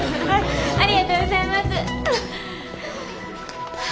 ありがとうございます。